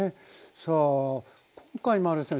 さあ今回もあれですね